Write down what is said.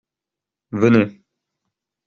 Venez.